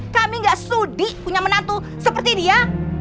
kami gak sudi punya menantu seperti dia